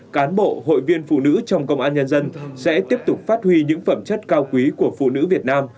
cán bộ hội viên phụ nữ trong công an nhân dân sẽ tiếp tục phát huy những phẩm chất cao quý của phụ nữ việt nam